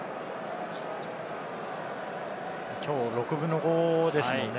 きょう６分の５ですもんね。